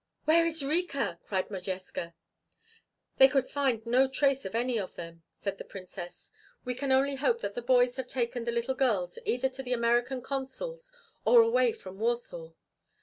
"'Where is Rika?" cried Modjeska. "They could find no trace of any of them," said the Princess. "We can only hope that the boys have taken the little girls either to the American Consul's or away from Warsaw.